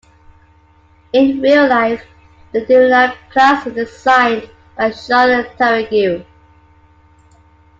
In real life, the "Luna"-class was designed by Sean Tourangeau.